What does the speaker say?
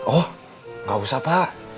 oh nggak usah pak